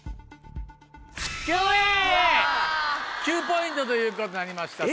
９ポイントということになりました。